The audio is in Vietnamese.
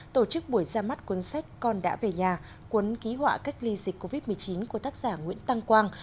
tổ chức buổi ra mắt cuốn sách con đã về nhà cuốn ký họa cách ly dịch covid một mươi chín của tác giả nguyễn tăng quang